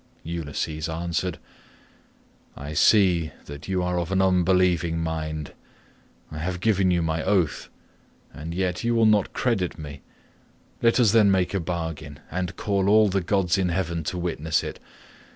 Ulysses answered, "I see that you are of an unbelieving mind; I have given you my oath, and yet you will not credit me; let us then make a bargain, and call all the gods in heaven to witness it.